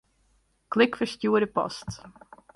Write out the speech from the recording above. Klik Ferstjoerde post.